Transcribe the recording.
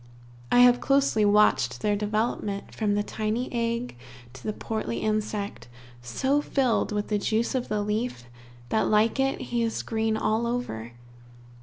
I have closely watched their development, from the tiny egg to the portly insect, so filled with the juice of the leaf, that like it, he is green all over.